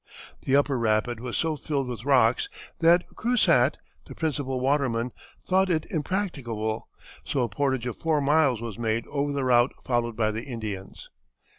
The upper rapid was so filled with rocks that Crusatte, the principal waterman, thought it impracticable, so a portage of four miles was made over the route followed by the Indians.